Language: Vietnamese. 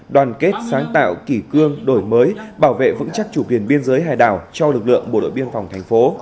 đoàn kết sáng tạo kỷ cương đổi mới bảo vệ vững chắc chủ quyền biên giới hải đảo cho lực lượng bộ đội biên phòng thành phố